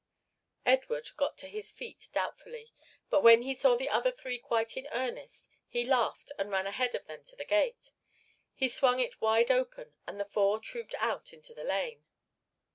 Edward got to his feet doubtfully, but when he saw the other three quite in earnest he laughed, and ran ahead of them to the gate. He swung it wide open and the four trooped out into the lane.